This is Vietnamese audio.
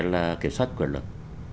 là kiểm soát quyền lực